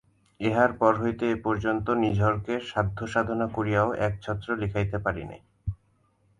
ইহার পর হইতে এ পর্যন্ত নিঝরকে সাধ্যসাধনা করিয়াও এক ছত্র লিখাইতে পারি নাই।